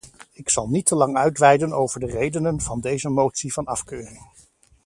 Ik zal niet te lang uitweiden over de redenen van deze motie van afkeuring.